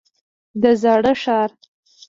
د زاړه ښار.